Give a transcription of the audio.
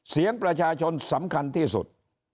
เสียงประชาชนสำคัญที่สุด